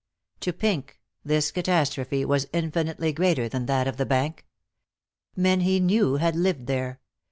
To Pink this catastrophe was infinitely greater than that of the bank. Men he knew had lived there.